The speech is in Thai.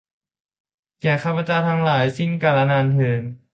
แก่ข้าพเจ้าทั้งหลาย สิ้นกาลนานเทอญ